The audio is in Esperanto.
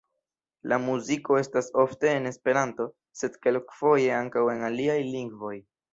La muziko estas ofte en esperanto, sed kelkfoje ankaŭ en aliaj lingvoj.